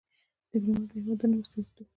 ډيپلومات د هېواد د نوم استازیتوب کوي.